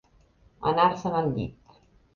Anar-se'n al llit.